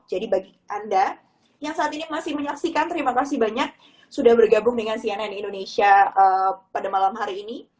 jadi bagi anda yang saat ini masih menyaksikan terima kasih banyak sudah bergabung dengan cnn indonesia pada malam hari ini